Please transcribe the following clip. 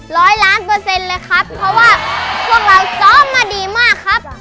ร้อยล้านเปอร์เซ็นต์เลยครับเพราะว่าพวกเราซ้อมมาดีมากครับ